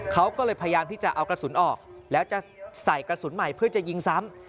เขาก็เลยพยายามที่จะเอากระสุนออกแล้วจะใส่กระสุนใหม่เพื่อจะยิงซ้ำ